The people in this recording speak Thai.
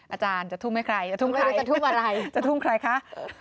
อาจารย์จะทุ่มให้ใครจะทุ่มใครจะทุ่มใครคะไม่รู้จะทุ่มอะไร